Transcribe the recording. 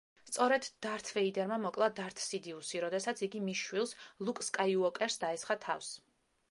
სწორედ დართ ვეიდერმა მოკლა დართ სიდიუსი, როდესაც იგი მის შვილს, ლუკ სკაიუოკერს დაესხა თავს.